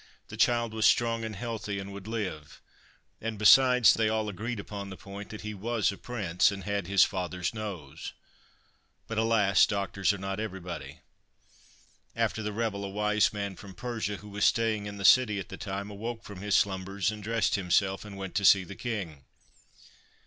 The child was strong and healthy, and would live ; and besides, they all agreed upon the point that he was a Prince, and had his father's nose. But alas ! doctors are not everybody. After the revel a wise man from Persia, who was staying in the city at the time, awoke from his slumbers and dressed himself, and went to see the King.